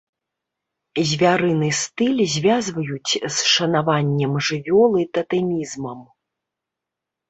Звярыны стыль звязваюць з шанаваннем жывёл і татэмізмам.